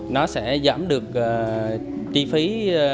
nó sẽ giảm được chi phí